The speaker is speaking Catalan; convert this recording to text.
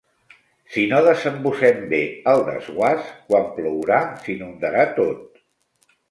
Si no desembussem bé el desguàs, quan plourà s'inundarà tot.